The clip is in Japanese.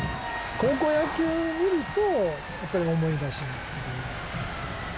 高校野球見るとやっぱり思い出しますけど。